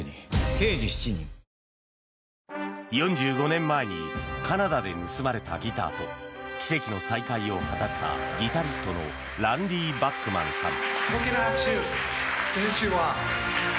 ４５年前にカナダで盗まれたギターと奇跡の再会を果たしたギタリストのランディ・バックマンさん。